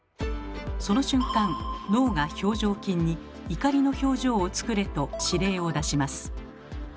その瞬間脳が表情筋に「怒りの表情を作れ」と指令を出します。